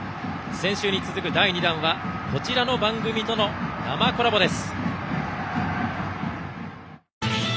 先週に続く第２弾はこちらの番組との生コラボです。